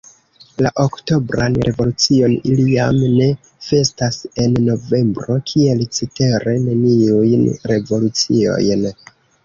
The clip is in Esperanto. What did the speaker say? La oktobran revolucion ili jam ne festas en novembro, kiel cetere neniujn revoluciojn.